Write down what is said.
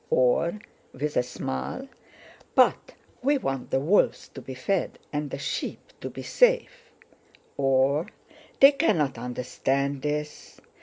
or, with a smile: "But we want the wolves to be fed and the sheep to be safe..." or: "They cannot understand this..."